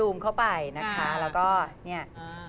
เข้าไปนะคะแล้วก็เนี่ย